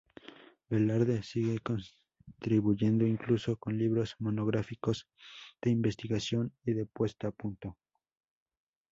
Velarde sigue contribuyendo incluso con libros monográficos de investigación y de puesta a punto.